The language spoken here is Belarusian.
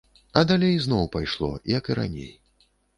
А далей зноў пайшло, як і раней.